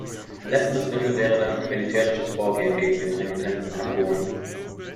Letztes Mittel wäre dann ein militärisches Vorgehen gegen den renitenten Kanton.